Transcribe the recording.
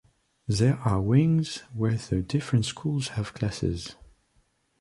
There are wings where the different schools have classes.